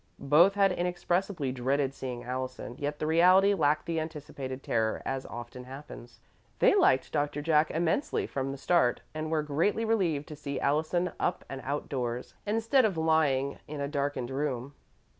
Both had inexpressibly dreaded seeing Allison, yet the reality lacked the anticipated terror, as often happens. They liked Doctor Jack immensely from the start and were greatly relieved to see Allison up and outdoors, instead of lying in a darkened room.